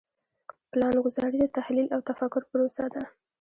پلانګذاري د تحلیل او تفکر پروسه ده.